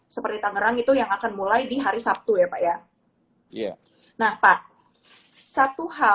seperti tangerang itu yang akan mulai di hari sabtu ya pak ya